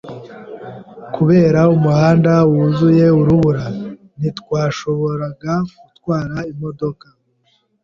Kubera umuhanda wuzuye urubura, ntitwashoboraga gutwara imodoka.